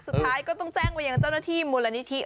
สุดท้ายก็ต้องแจ้งไปยังเจ้าหน้าที่มูลนิธิ